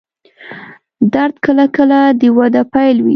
درد کله کله د وده پیل وي.